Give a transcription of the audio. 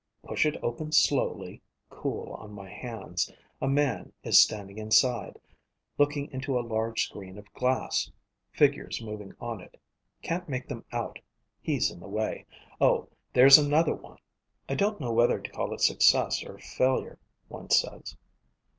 Push it open slowly, cool on my hands. A man is standing inside, looking into a large screen of glass. Figures moving on it. Can't make them out, he's in the way. Oh, there's another one._ _"I don't know whether to call it success or failure," one says.